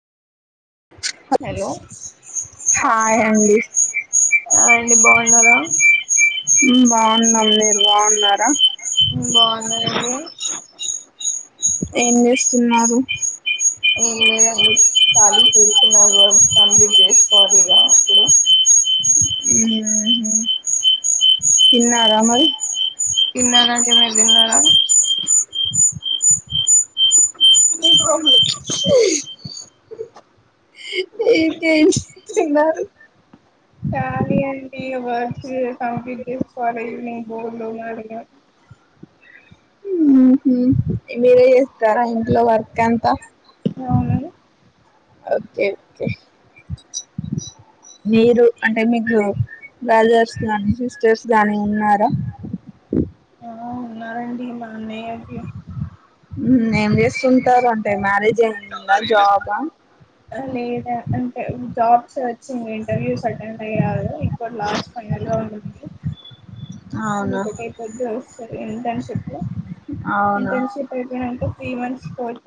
Hi అండి. ఉమ్ బాగున్నాం మీరు బాగున్నారా. బాగున్నారండీ. ఏం లేదండి. ఖాళీగా కూర్చున్న. సంగీత్ చేసుకోవాలిగా ఇప్పుడూ. ఉమ్ తిన్నారమరి. తిన్నా నండీ మీరు తిన్నారా. ఏం చేస్తున్నారు. త్రీ వర్క్స్ ఇగ కంప్లీట్ చేసుకోవాలి ఈవినింగ్ బోన్లు తోమాలిగా. ఊ హూ మీరే చేస్తారా ఇంట్లో వర్క్ అంతా. Okay okay. మీరు అంటే మీకు బ్రదర్స్ గానీ సిస్టర్స్ గాని ఉన్నారా. ఆ ఉన్నారండి మా అన్నయ్యకి ఏం చేస్తుంటారు అంటే మ్యారేజ్ లేదా అంటే జాబ్స్ వచ్చి ఇంటర్వ్యూస్ అటెండ్ అయ్యారు. ఇపుడు లాస్ట్ ఫైనల్ రౌండ్ ఉంది. అది ఒకటై పోతే వస్తది ఇంటర్న్షిప్ప్. అంటే త్రీ మంత్స్ కోర్సు.